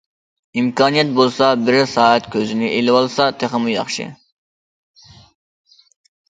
ئىمكانىيەت بولسا بىرەر سائەت كۆزىنى ئىلىۋالسا تېخىمۇ ياخشى.